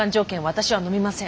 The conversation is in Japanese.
私はのみません。